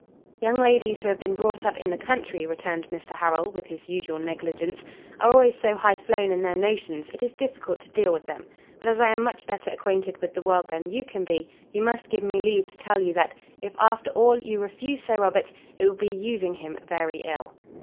"Young ladies who have been brought up in the country," returned Mr Harrel, with his usual negligence, "are always so high flown in their notions, it is difficult to deal with them; but as I am much better acquainted with the world than you can be, you must give me leave to tell you, that if, after all, you refuse Sir Robert, it will be using him very ill."